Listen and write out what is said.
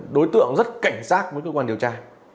đối tượng rất cảnh giác với cơ quan điều tra